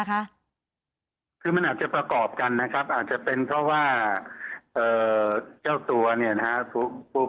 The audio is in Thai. คือมันอาจจะประกอบกันนะครับอาจจะเป็นเพราะว่าเจ้าตัวเนี่ยนะฮะ